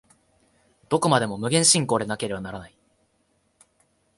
どこまでも無限進行でなければならない。